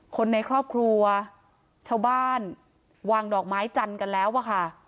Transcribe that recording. คนในครอบครัวชาวบ้านวางดอกไม้จันทร์กันแล้วอะค่ะ